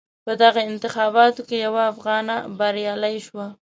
په دغو انتخاباتو کې یوه افغانه بریالی شوه.